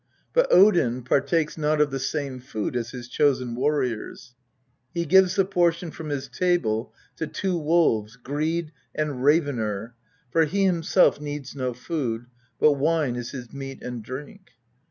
But Odin partakes not of the same food as his Chosen Warriors. He gives the portion from his table to two wolves, Greed and Ravener, for he himself needs no food, but wine is his meat and drink.